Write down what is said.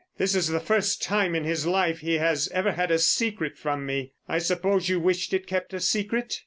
This is the first time in his life he has ever had a secret from me. I suppose you wished it kept a secret?"